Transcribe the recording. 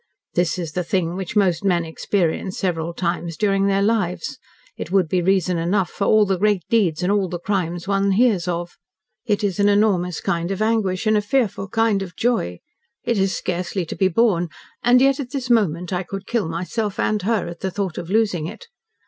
"This is the thing which most men experience several times during their lives. It would be reason enough for all the great deeds and all the crimes one hears of. It is an enormous kind of anguish and a fearful kind of joy. It is scarcely to be borne, and yet, at this moment, I could kill myself and her, at the thought of losing it.